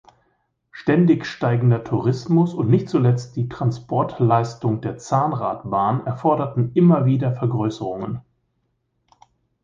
Ständig steigender Tourismus und nicht zuletzt die Transportleistung der Zahnradbahn erforderten immer wieder Vergrößerungen.